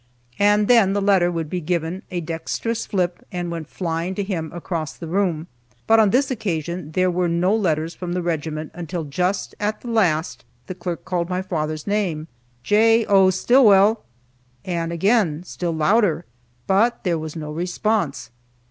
and then the letter would be given a dexterous flip, and went flying to him across the room. But on this occasion there were no letters from the regiment, until just at the last the clerk called my father's name "J. O. Stillwell!" and again, still louder, but there was no response.